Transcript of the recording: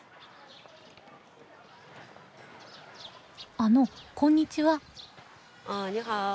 あのこんにちは。